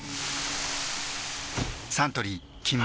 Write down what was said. サントリー「金麦」